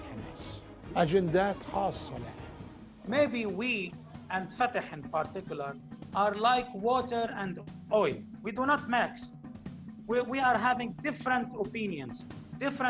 kita memiliki pendapatan yang berbeda program politik yang berbeda